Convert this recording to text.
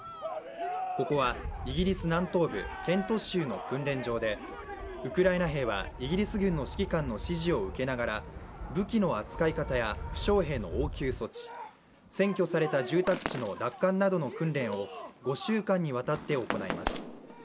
ここはイギリス南東部ケント州の訓練場でウクライナ兵はイギリス軍の指揮官の指示を受けながら武器の扱い方や負傷兵の応急処置、占拠された住宅地の奪還などの訓練を５週間にわたって行います。